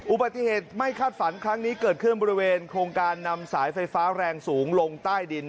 อุบัติเหตุไม่คาดฝันครั้งนี้เกิดขึ้นบริเวณโครงการนำสายไฟฟ้าแรงสูงลงใต้ดิน